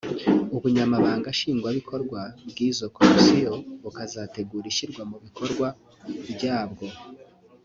ubunyamabanga Nshingwabikorwa bw’izo komisiyo bukazategura ishyirwa mu bikorwa ryabwo